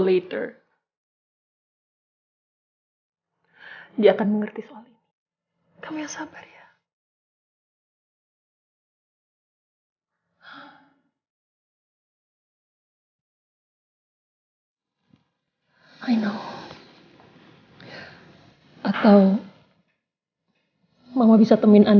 malam ini kita udah bisa mulai